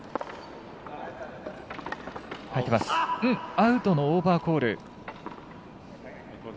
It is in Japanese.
アウトのオーバーコール。